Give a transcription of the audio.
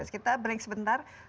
kita break sebentar